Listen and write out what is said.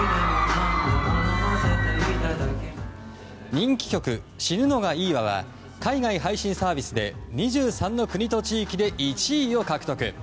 人気曲「死ぬのがいいわ」は海外配信サービスで２３の国と地域で１位を獲得。